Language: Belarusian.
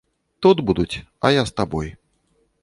Тут будуць, а я з табой.